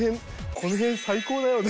「この辺最高だよね」